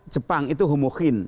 jepang itu humuhin